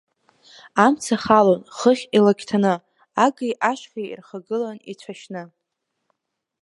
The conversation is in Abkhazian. Амца халон хыхь илакьҭаны, Агеи ашьхеи ирхагылан ицәашьны…